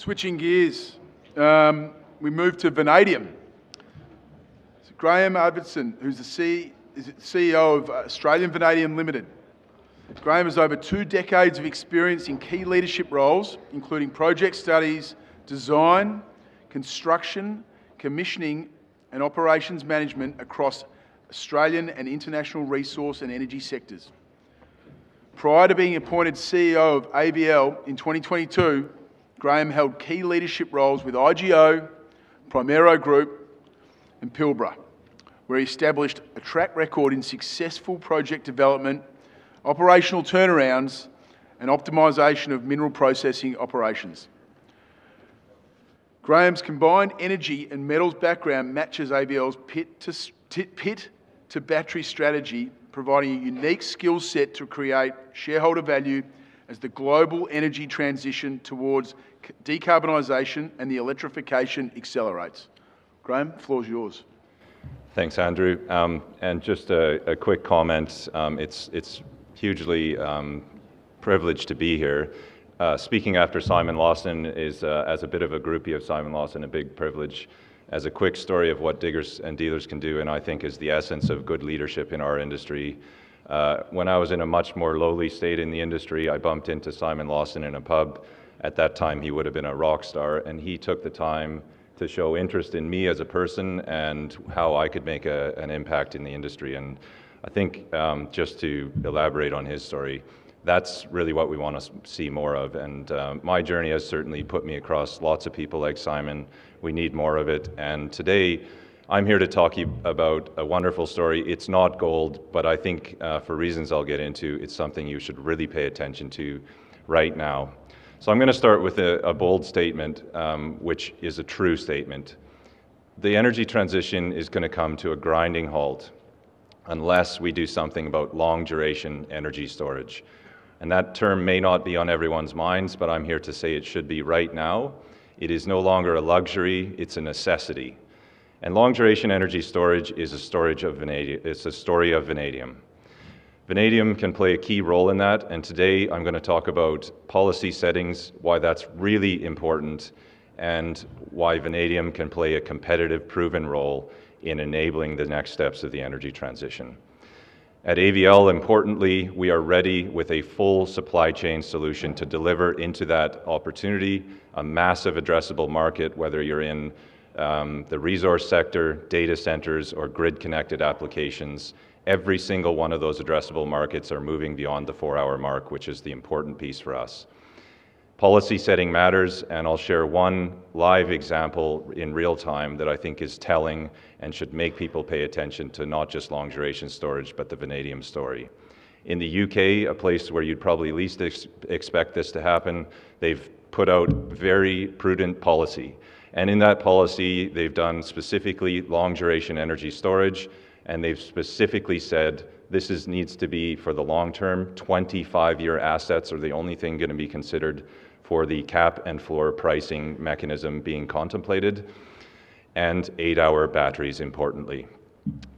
Switching gears, we move to vanadium. Graham Arvidson, who's the CEO of Australian Vanadium Limited. Graham has over two decades of experience in key leadership roles, including project studies, design, construction, commissioning, and operations management across Australian and international resource and energy sectors. Prior to being appointed CEO of AVL in 2022, Graham held key leadership roles with IGO, Primero Group, and Pilbara Minerals, where he established a track record in successful project development, operational turnarounds, and optimization of mineral processing operations. Graham's combined energy and metals background matches AVL's pit to battery strategy, providing a unique skill set to create shareholder value as the global energy transition towards decarbonization and the electrification accelerates. Graham, the floor is yours. Thanks, Andrew. Just a quick comment. It's hugely privileged to be here. Speaking after Simon Larson, as a bit of a groupie of Simon Larson, a big privilege, as a quick story of what diggers and dealers can do, and I think is the essence of good leadership in our industry. When I was in a much more lowly state in the industry, I bumped into Simon Larson in a pub. At that time, he would have been a rock star, and he took the time to show interest in me as a person and how I could make an impact in the industry. I think just to elaborate on his story, that's really what we want to see more of. My journey has certainly put me across lots of people like Simon. We need more of it. Today, I'm here to talk to you about a wonderful story. It's not gold, but I think for reasons I'll get into, it's something you should really pay attention to right now. I'm going to start with a bold statement, which is a true statement. The energy transition is going to come to a grinding halt unless we do something about long-duration energy storage. That term may not be on everyone's minds, but I'm here to say it should be right now. It is no longer a luxury. It's a necessity. Long-duration energy storage is a story of vanadium. Vanadium can play a key role in that. Today, I'm going to talk about policy settings, why that's really important, and why vanadium can play a competitive proven role in enabling the next steps of the energy transition. At AVL, importantly, we are ready with a full supply chain solution to deliver into that opportunity, a massive addressable market, whether you're in the resource sector, data centers, or grid-connected applications. Every single one of those addressable markets are moving beyond the four-hour mark, which is the important piece for us. Policy setting matters, and I'll share one live example in real time that I think is telling and should make people pay attention to not just long-duration storage, but the vanadium story. In the United Kingdom, a place where you'd probably least expect this to happen, they've put out very prudent policy. In that policy, they've done specifically long-duration energy storage, and they've specifically said this needs to be for the long term. 25-year assets are the only thing going to be considered for the cap and floor pricing mechanism being contemplated. Eight-hour batteries, importantly.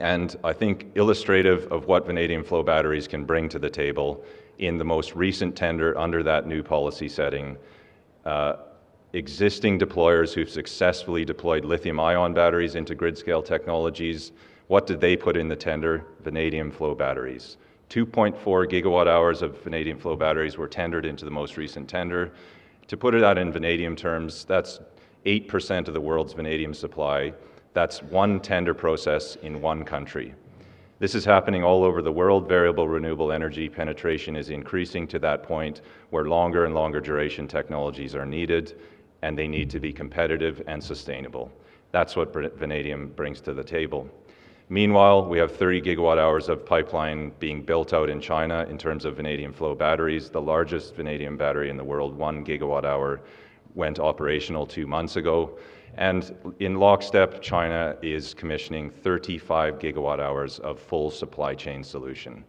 I think illustrative of what vanadium flow batteries can bring to the table, in the most recent tender under that new policy setting, existing deployers who've successfully deployed lithium-ion batteries into grid-scale technologies, what did they put in the tender? Vanadium flow batteries. 2.4 GWh of vanadium flow batteries were tendered into the most recent tender. To put it out in vanadium terms, that's 8% of the world's vanadium supply. That's one tender process in one country. This is happening all over the world. Variable renewable energy penetration is increasing to that point where longer and longer duration technologies are needed, and they need to be competitive and sustainable. That's what vanadium brings to the table. Meanwhile, we have 30 GWh of pipeline being built out in China in terms of vanadium flow batteries, the largest vanadium battery in the world, 1 GWh, went operational two months ago. In lockstep, China is commissioning 35 GWh of full supply chain solution.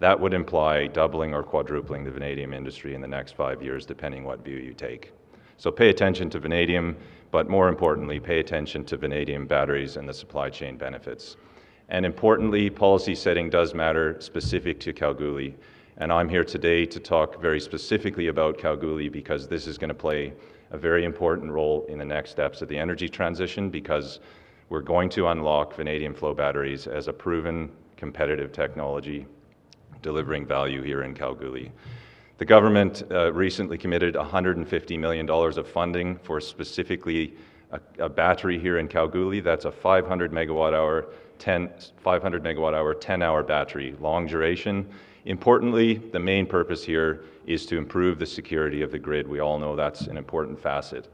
That would imply doubling or quadrupling the vanadium industry in the next five years, depending on what view you take. Pay attention to vanadium, but more importantly, pay attention to vanadium batteries and the supply chain benefits. Importantly, policy setting does matter specific to Kalgoorlie. I'm here today to talk very specifically about Kalgoorlie because this is going to play a very important role in the next steps of the energy transition because we're going to unlock vanadium flow batteries as a proven competitive technology delivering value here in Kalgoorlie. The government recently committed 150 million dollars of funding for specifically a battery here in Kalgoorlie. That's a 500 MWh, 10-hour battery, long duration. Importantly, the main purpose here is to improve the security of the grid. We all know that's an important facet.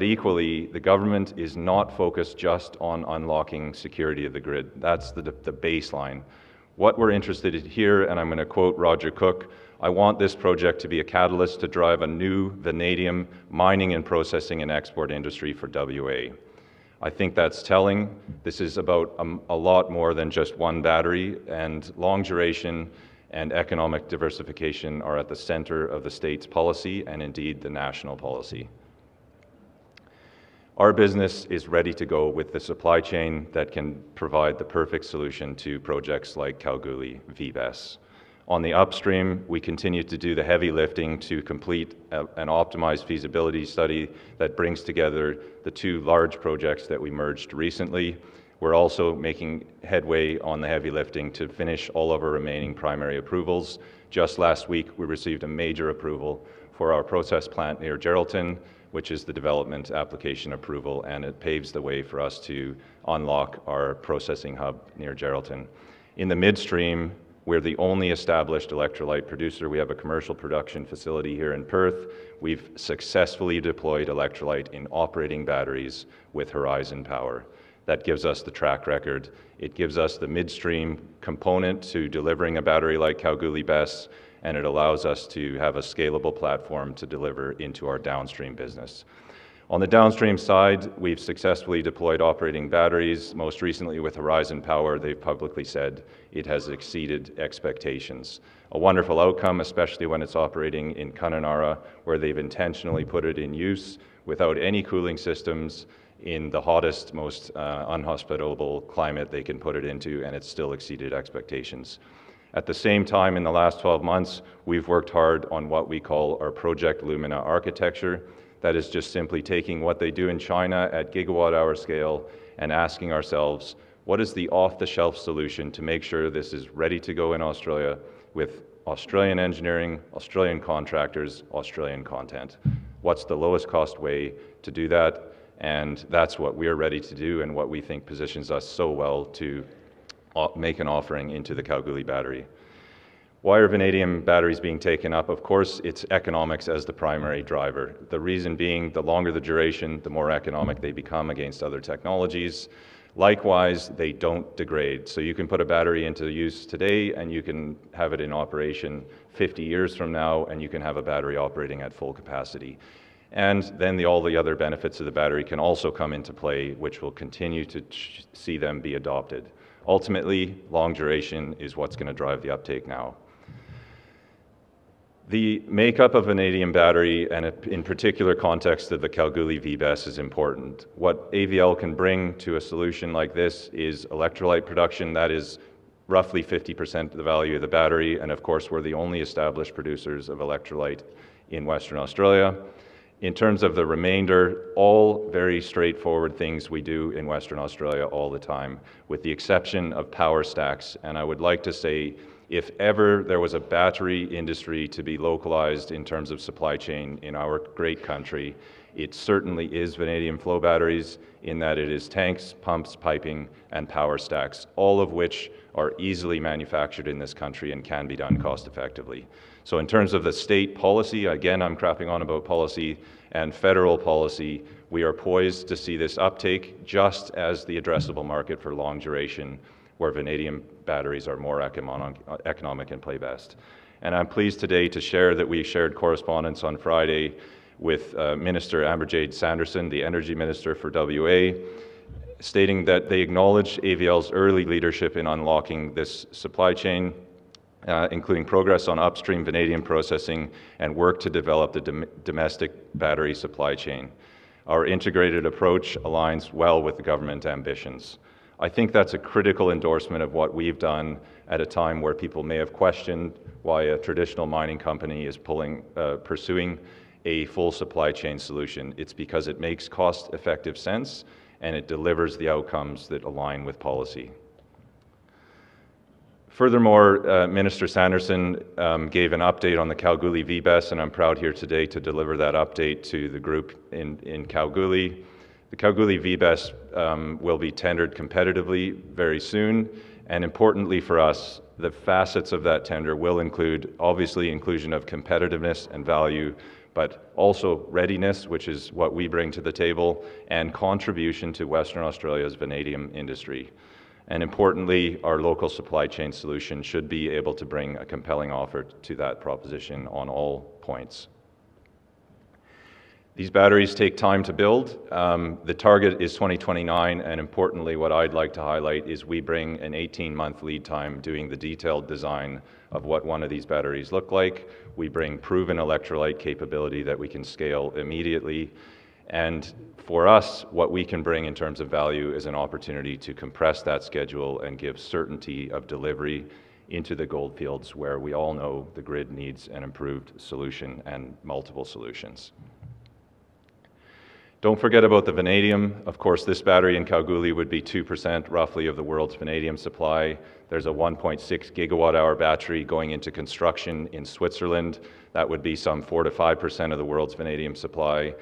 Equally, the government is not focused just on unlocking security of the grid. That's the baseline. What we're interested in here, and I'm going to quote Roger Cook, I want this project to be a catalyst to drive a new vanadium mining and processing and export industry for WA. I think that's telling. This is about a lot more than just one battery, and long duration and economic diversification are at the center of the state's policy and indeed the national policy. Our business is ready to go with the supply chain that can provide the perfect solution to projects like Kalgoorlie VBESS. On the upstream, we continue to do the heavy lifting to complete an optimized feasibility study that brings together the two large projects that we merged recently. We're also making headway on the heavy lifting to finish all of our remaining primary approvals. Just last week, we received a major approval for our process plant near Geraldton, which is the development application approval, and it paves the way for us to unlock our processing hub near Geraldton. In the midstream, we're the only established electrolyte producer. We have a commercial production facility here in Perth. We've successfully deployed vanadium electrolyte in operating batteries with Horizon Power. That gives us the track record. It gives us the midstream component to delivering a battery like Kalgoorlie BESS, and it allows us to have a scalable platform to deliver into our downstream business. On the downstream side, we've successfully deployed operating batteries, most recently with Horizon Power. They've publicly said it has exceeded expectations. A wonderful outcome, especially when it's operating in Kununurra, where they've intentionally put it in use without any cooling systems in the hottest, most unhospitable climate they can put it into, and it's still exceeded expectations. At the same time, in the last 12 months, we've worked hard on what we call our Project Lumina architecture. That is just simply taking what they do in China at gigawatt-hour scale and asking ourselves, what is the off-the-shelf solution to make sure this is ready to go in Australia with Australian engineering, Australian contractors, Australian content? What's the lowest cost way to do that? That's what we're ready to do and what we think positions us so well to make an offering into the Kalgoorlie battery. Why are vanadium flow batteries being taken up? Of course, it's economics as the primary driver. The reason being, the longer the duration, the more economic they become against other technologies. Likewise, they don't degrade. You can put a battery into use today, and you can have it in operation 50 years from now, and you can have a battery operating at full capacity. All the other benefits of the battery can also come into play, which will continue to see them be adopted. Ultimately, long-duration energy storage is what's going to drive the uptake now. The makeup of vanadium battery and in particular context of the Kalgoorlie VBESS is important. What AVL can bring to a solution like this is electrolyte production that is roughly 50% of the value of the battery. Of course, we're the only established producers of electrolyte in Western Australia. In terms of the remainder, all very straightforward things we do in Western Australia all the time, with the exception of power stacks. I would like to say, if ever there was a battery industry to be localized in terms of supply chain in our great country, it certainly is vanadium flow batteries in that it is tanks, pumps, piping, and power stacks, all of which are easily manufactured in this country and can be done cost-effectively. In terms of the state policy, again, I'm crapping on about policy and federal policy, we are poised to see this uptake just as the addressable market for long-duration where vanadium batteries are more economic and play best. I'm pleased today to share that we've shared correspondence on Friday with Minister Amber-Jade Sanderson, the Energy Minister for WA, stating that they acknowledge AVL's early leadership in unlocking this supply chain, including progress on upstream vanadium processing and work to develop the domestic battery supply chain. Our integrated approach aligns well with the government ambitions. I think that's a critical endorsement of what we've done at a time where people may have questioned why a traditional mining company is pursuing a full supply chain solution. It's because it makes cost-effective sense and it delivers the outcomes that align with policy. Furthermore, Minister Sanderson gave an update on the Kalgoorlie VBESS, and I'm proud here today to deliver that update to the group in Kalgoorlie. The Kalgoorlie VBESS will be tendered competitively very soon. Importantly for us, the facets of that tender will include obviously inclusion of competitiveness and value, but also readiness, which is what we bring to the table, and contribution to Western Australia's vanadium industry. Importantly, our local supply chain solution should be able to bring a compelling offer to that proposition on all points. These batteries take time to build. The target is 2029. Importantly, what I'd like to highlight is we bring an 18-month lead time doing the detailed design of what one of these batteries look like. We bring proven electrolyte capability that we can scale immediately. What we can bring in terms of value is an opportunity to compress that schedule and give certainty of delivery into the gold fields where we all know the grid needs an improved solution and multiple solutions. Do not forget about the vanadium. Of course, this battery in Kalgoorlie would be 2% roughly of the world's vanadium supply. There is a 1.6 GWh battery going into construction in Switzerland. That would be some 4%-5% of the world's vanadium supply.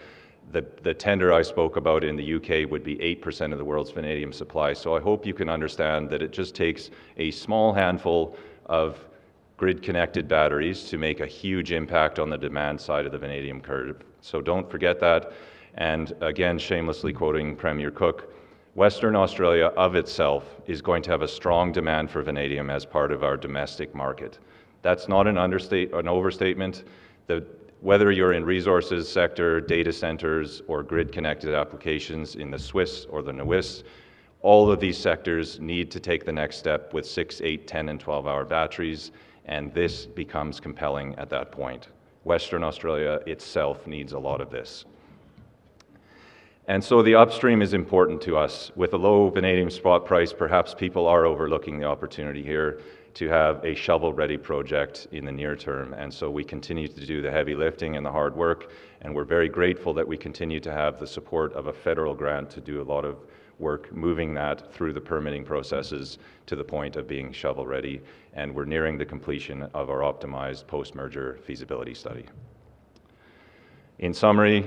The tender I spoke about in the United Kingdom would be 8% of the world's vanadium supply. I hope you can understand that it just takes a small handful of grid-connected batteries to make a huge impact on the demand side of the vanadium curve. Do not forget that. Shamelessly quoting Premier Cook, Western Australia of itself is going to have a strong demand for vanadium as part of our domestic market. That is not an overstatement. Whether you are in the resources sector, data centers, or grid-connected applications in the Swiss or the NOWIS, all of these sectors need to take the next step with 6, 8, 10, and 12-hour batteries. This becomes compelling at that point. Western Australia itself needs a lot of this. The upstream is important to us. With a low vanadium spot price, perhaps people are overlooking the opportunity here to have a shovel-ready project in the near term. We continue to do the heavy lifting and the hard work. We are very grateful that we continue to have the support of a federal grant to do a lot of work moving that through the permitting processes to the point of being shovel-ready. We are nearing the completion of our optimized post-merger feasibility study. In summary,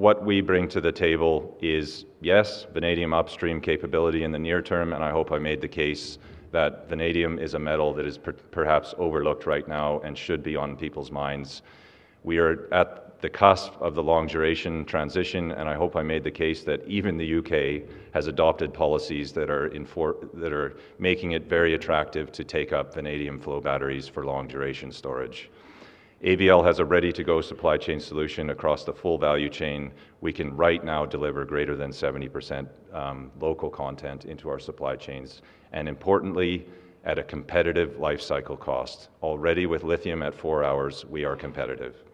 what we bring to the table is, yes, vanadium upstream capability in the near term. I hope I made the case that vanadium is a metal that is perhaps overlooked right now and should be on people's minds. We are at the cusp of the long-duration transition. I hope I made the case that even the United Kingdom has adopted policies that are making it very attractive to take up vanadium flow batteries for long-duration storage. AVL has a ready-to-go supply chain solution across the full value chain. We can right now deliver greater than 70% local content into our supply chains, and importantly, at a competitive lifecycle cost. Already with lithium at four hours, we are competitive.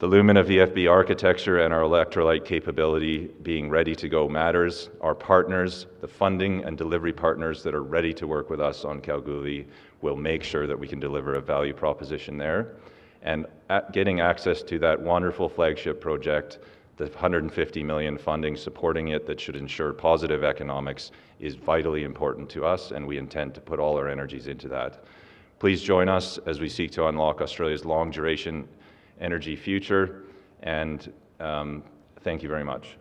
The Lumina VFB architecture and our electrolyte capability being ready to go matters. Our partners, the funding and delivery partners that are ready to work with us on Kalgoorlie will make sure that we can deliver a value proposition there. Getting access to that wonderful flagship project, the 150 million funding supporting it that should ensure positive economics, is vitally important to us. We intend to put all our energies into that. Please join us as we seek to unlock Australia's long-duration energy future. Thank you very much.